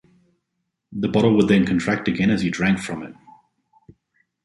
The bottle would then contract again as you drank from it.